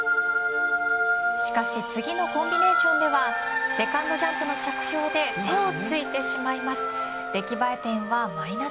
しかし次のコンビネーションではセカンドジャンプの着氷で手をついてしまいます。